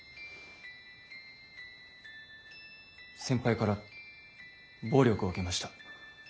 先輩から暴力を受けました。